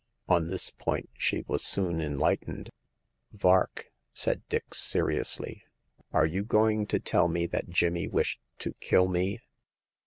On this point she was soon enlightened. Vark," said Dix, seriously, are you going to tell me that Jimmy wished to kill me